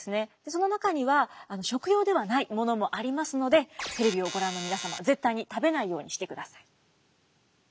その中には食用ではないものもありますのでテレビをご覧の皆様絶対に食べないようにしてください。